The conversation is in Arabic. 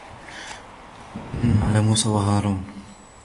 ولقد مننا على موسى وهارون